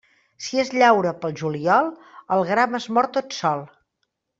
Si es llaura pel juliol, el gram es mor tot sol.